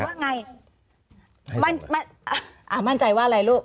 ว่าไงมั่นใจว่าอะไรลูก